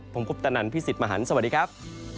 ผมคุปตะนันพี่สิทธิ์มหันฯสวัสดีครับ